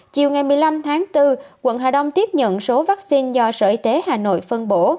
chiều ngày một mươi năm tháng bốn quận hà đông tiếp nhận số vaccine do sở y tế hà nội phân bổ